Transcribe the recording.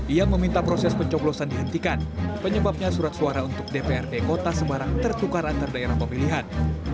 ia meminta proses pencoblosan dihentikan penyebabnya surat suara untuk dprd kota semarang tertukar antar daerah pemilihan